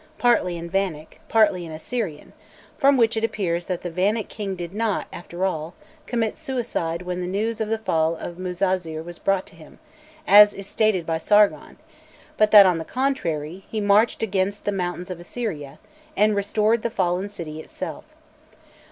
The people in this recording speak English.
partly in Vannic, partly in Assyrian, from which it appears that the Vannic king did not, after all, commit suicide when the news of the fall of Muzazir was brought to him, as is stated by Sargon, but that, on the contrary, he "marched against the mountains of Assyria" and restored the fallen city itself.